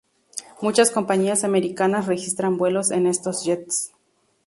Muchas compañías americanas registran vuelos en estos jets.